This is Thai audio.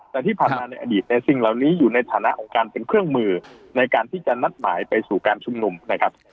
แต่ที่ผ่านมาในอดีตในสิ่งเหล่านี้อยู่ในฐานะของการเป็นเครื่องมือในการที่จะนัดหมายไปสู่การชุมนุมนะครับ